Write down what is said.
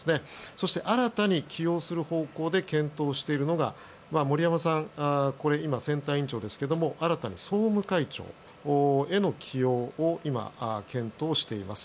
そして新たに起用する方向で検討しているのが森山さん、今、選対委員長ですが新たに総務会長への起用を今、検討しています。